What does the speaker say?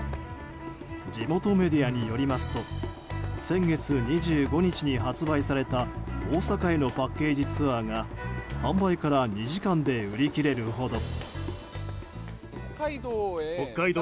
地元メディアによりますと先月２５日に発売された大阪へのパッケージツアーが販売から２時間で売り切れるほど。